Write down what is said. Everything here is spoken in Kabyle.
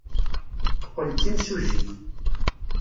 Teqqel d timsujjit.